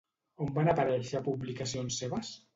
On van aparèixer publicacions seves?